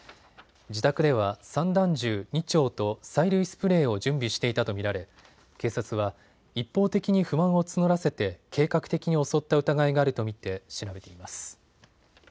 自宅では散弾銃２丁と催涙スプレーを準備していたと見られ警察は一方的に不満を募らせて計画的に襲った疑いがあると見て調べています。